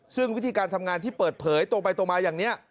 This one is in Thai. ซึ่งวิธีการทำงานที่เปิดเผยตรงไปตรงมาอย่างนี้